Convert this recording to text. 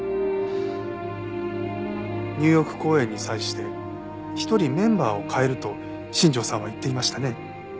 ニューヨーク公演に際して１人メンバーを代えると新庄さんは言っていましたね。